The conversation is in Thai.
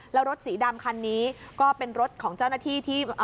แล้วรถสีดำคันนี้ก็เป็นรถของเจ้าหน้าที่ที่